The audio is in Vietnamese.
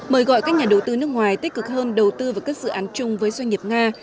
mời gọi các nhà đầu tư nước ngoài tích cực hơn đầu tư vào các dự án chung với doanh nghiệp nga